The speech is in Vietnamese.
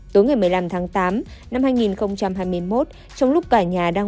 tối ngày một mươi năm tháng tám năm hai nghìn hai mươi một